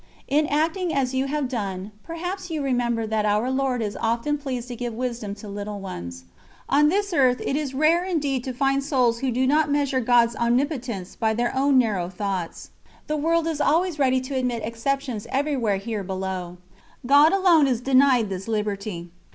In acting as you have done, perhaps you remembered that Our Lord is often pleased to give wisdom to little ones. On this earth it is rare indeed to find souls who do not measure God's Omnipotence by their own narrow thoughts. The world is always ready to admit exceptions everywhere here below. God alone is denied this liberty.